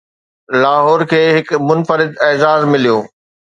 لاهور کي هڪ منفرد اعزاز مليو